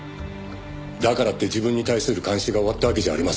「だからって自分に対する監視が終わったわけじゃありません」